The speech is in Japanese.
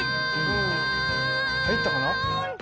入ったかな？